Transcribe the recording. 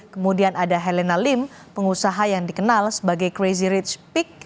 kemudian ada helena lim pengusaha yang dikenal sebagai crazy rich peak